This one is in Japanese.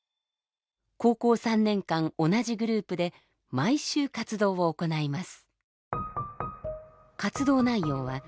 高校３年間同じグループで毎週活動を行います。